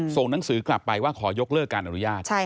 ส่งหนังสือกลับไปว่าขอยกเลิกการอนุญาต